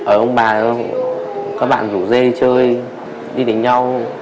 ở ông bà các bạn rủ dê chơi đi đánh nhau